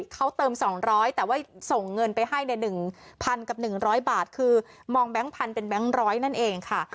เขาเติมสองร้อยแต่ว่าส่งเงินไปให้ในหนึ่งพันกับหนึ่งร้อยบาทคือมองแบงค์พันเป็นแบงค์ร้อยนั่นเองค่ะ